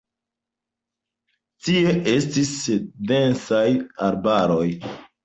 Tie estis densaj arbaroj.